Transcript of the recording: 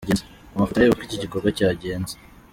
Mu mafoto reba uko iki gikorwa cyagenze.